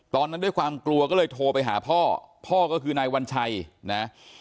ด้วยความกลัวก็เลยโทรไปหาพ่อพ่อก็คือนายวัญชัยนะ